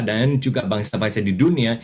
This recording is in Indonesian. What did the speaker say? dan juga bangsa bangsa di dunia